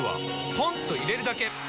ポンと入れるだけ！